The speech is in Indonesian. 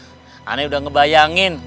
iya sih aneh udah ngebayangin